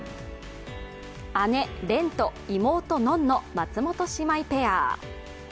姉・恋と、妹・穏の松本姉妹ペア。